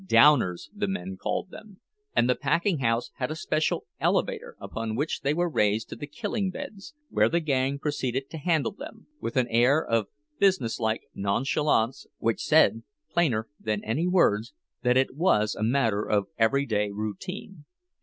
"Downers," the men called them; and the packing house had a special elevator upon which they were raised to the killing beds, where the gang proceeded to handle them, with an air of businesslike nonchalance which said plainer than any words that it was a matter of everyday routine.